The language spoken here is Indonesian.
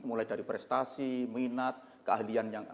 mulai dari prestasi minat keahlian yang ada